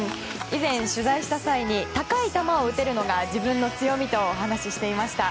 以前、取材した際に高い球を打てるのが自分の強みとお話ししていました。